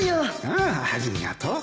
ああありがとう。